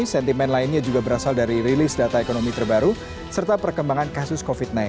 sentimen lainnya juga berasal dari rilis data ekonomi terbaru serta perkembangan kasus covid sembilan belas